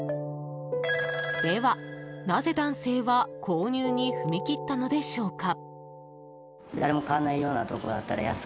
では、なぜ男性は購入に踏み切ったのでしょうか？